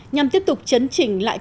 nhằm tiếp tục chấn trình lại trật tư